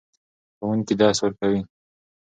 ښوونکي درس ورکوې.